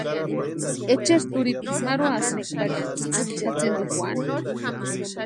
Echeri turhipiti marhuasïnti pari tsïtsïki jatsintukwaani.